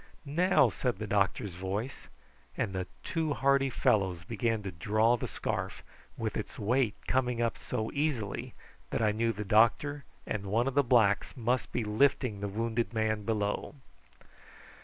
"Now!" said the doctor's voice, and the two hardy fellows began to draw the scarf, with its weight coming so easily that I knew the doctor and one of the blacks must be lifting the wounded man below.